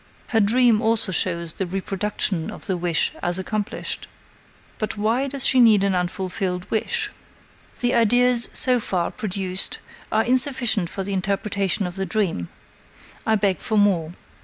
Her dream also shows the reproduction of the wish as accomplished. But why does she need an unfulfilled wish? The ideas so far produced are insufficient for the interpretation of the dream. I beg for more.